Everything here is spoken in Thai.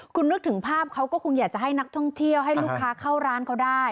คุณนึกถึงภาพเขาก็คงอยากจะให้นักท่องเที่ยวให้ลูกค้าเข้าร้านเขาได้